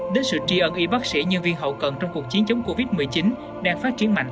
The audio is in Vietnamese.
đến sự tri ân y bác sĩ nhân viên hậu cần trong cuộc chiến chống covid một mươi chín đang phát triển mạnh